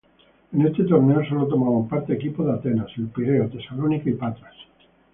En este torneo sólo tomaban parte equipos de Atenas, El Pireo, Tesalónica y Patras.